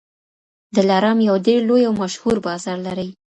دلارام یو ډېر لوی او مشهور بازار لري.